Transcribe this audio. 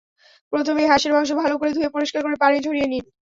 প্রথমেই হাঁসের মাংস ভালো করে ধুয়ে পরিষ্কার করে পানি ঝরিয়ে নিন।